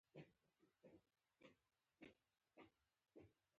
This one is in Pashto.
د اسدالله ارماني کره مې وڅښلې.